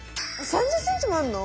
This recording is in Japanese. ３０ｃｍもあんの？